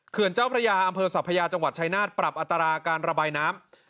เจ้าพระยาอำเภอสัพยาจังหวัดชายนาฏปรับอัตราการระบายน้ำ